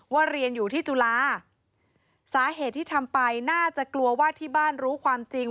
เรียนอยู่ที่จุฬาสาเหตุที่ทำไปน่าจะกลัวว่าที่บ้านรู้ความจริง